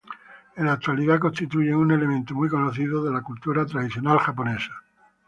En la actualidad constituyen un elemento muy conocido de la cultura tradicional japonesa.